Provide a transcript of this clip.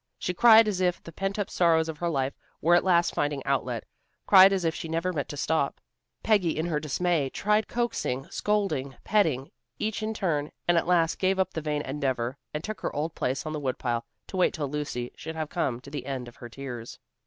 She cried as if the pent up sorrows of her life were at last finding outlet, cried as if she never meant to stop. Peggy in her dismay tried coaxing, scolding, petting, each in turn, and at last gave up the vain endeavor, and took her old place on the woodpile, to wait till Lucy should have come to the end of her tears.